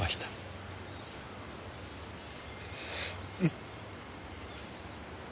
うん。